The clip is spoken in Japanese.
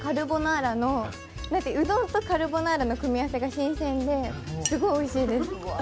うどんとカルボナーラの組み合わせが新鮮ですごいおいしいです。